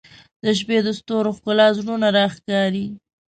• د شپې د ستورو ښکلا زړونه راښکاري.